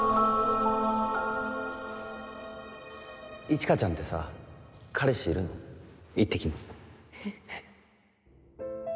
一華ちゃんてさ彼氏いるの行ってきます